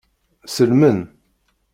Sellmen.